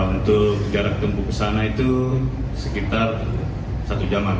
untuk jarak tempuh ke sana itu sekitar satu jaman